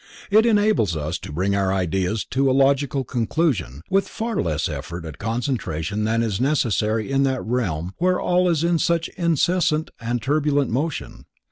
It enables us to bring our ideas to a logical conclusion with far less effort at concentration than is necessary in that realm where all is in such incessant and turbulent motion.